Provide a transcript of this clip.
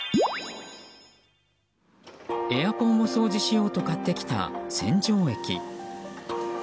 エアコンを掃除しようと買ってきた洗浄液。